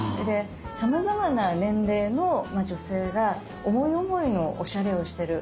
さまざまな年齢の女性が思い思いのおしゃれをしてる。